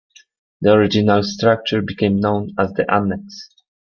The original structure became known as the annex.